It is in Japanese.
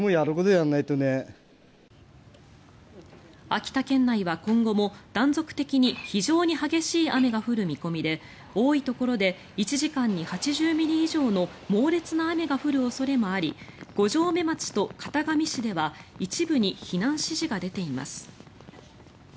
秋田県内は今後も断続的に非常に激しい雨が降る見込みで多いところで１時間に８０ミリ以上の猛烈な雨が降る恐れもあり五城目町と潟上市では一部に避難指示が出ています。